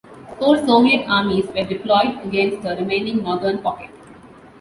Four Soviet armies were deployed against the remaining northern pocket.